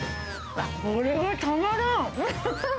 これはたまらん。